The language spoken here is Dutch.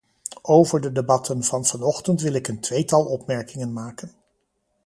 Over de debatten van vanochtend wil ik een tweetal opmerkingen maken.